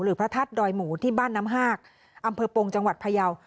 พระธาตุดอยหมูที่บ้านน้ำหากอำเภอปงจังหวัดพยาว